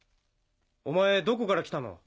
お前どこから来たの？